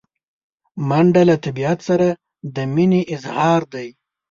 منډه له طبیعت سره د مینې اظهار دی